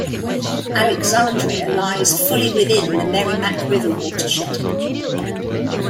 Alexandria lies fully within the Merrimack River watershed.